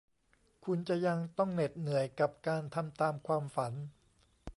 คุณจะยังต้องเหน็ดเหนื่อยกับการทำตามความฝัน